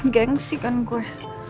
geng sih kan gue